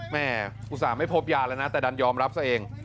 อุตส่าห์ไม่พบยาแล้วนะแต่ดันยอมรับซะเอง